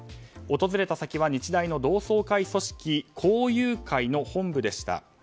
訪れた先は日大の同窓会組織校友会の本部でした。